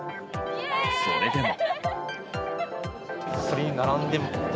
それでも。